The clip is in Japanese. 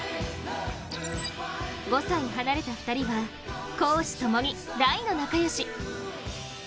５歳離れた２人は公私ともに大の仲良し。